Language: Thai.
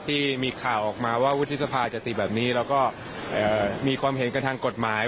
ที่มีข่าวออกมาว่าวุฒิสภาจะติแบบนี้แล้วก็มีความเห็นกันทางกฎหมาย